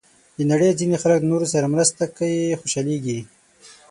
د نړۍ ځینې خلک د نورو سره مرسته کې خوشحاله کېږي.